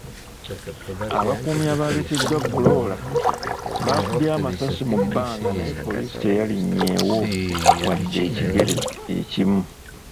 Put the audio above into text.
Abakuumi abaleeteddwa Bulola baakubye amasasi mu bbanga naye poliisi teyalinnyewo wadde ekigere ekimu.